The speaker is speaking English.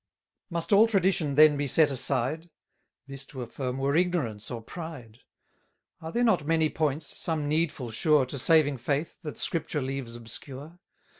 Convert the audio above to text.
Must all tradition then be set aside? This to affirm were ignorance or pride. Are there not many points, some needful sure To saving faith, that Scripture leaves obscure?